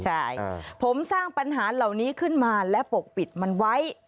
ใช่ผมสร้างปัญหาเหล่านี้ขึ้นมาและปกปิดมันไว้